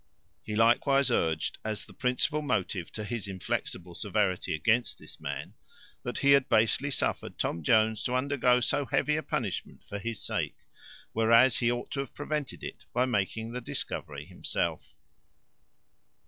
He likewise urged, as the principal motive to his inflexible severity against this man, that he had basely suffered Tom Jones to undergo so heavy a punishment for his sake, whereas he ought to have prevented it by making the discovery himself.